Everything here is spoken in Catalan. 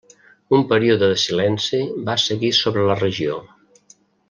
Un període de silenci va seguir sobre la regió.